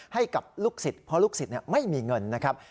ให้กับลูกศิษย์เพราะลูกศิษย์ไม่มีเงินนะครับ